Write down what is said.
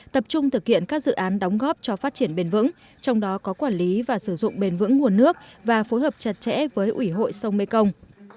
tập trung thực hiện các dự án đóng góp cho phát triển bền vững trong đó có quản lý và sử dụng bền vững nguồn nước và phối hợp chặt chẽ với ủy hội sông mê công